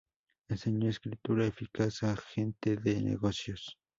Enseñó escritura eficaz a gente de negocios.